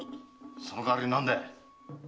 その代わり何だ？